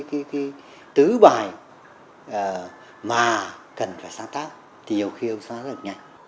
cái tứ bài mà cần phải sáng tác thì nhiều khi ông sáng tác rất là nhanh